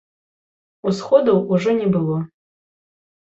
Усходаў ужо не было.